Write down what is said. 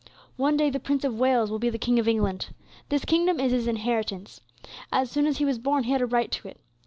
One day, the Prince of Wales will be the King of England. This kingdom is his inheritance. As soon as he was born, he had a right to it.